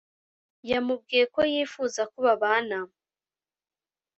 yamubwiye ko yifuza ko babana